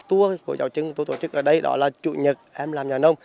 tua của châu trưng tôi tổ chức ở đây đó là chủ nhật em làm nhà nông